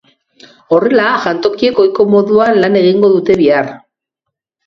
Horrela, jantokiek ohiko moduan lan egingo dute bihar.